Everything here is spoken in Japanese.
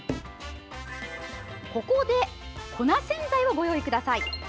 ここで、粉洗剤をご用意ください。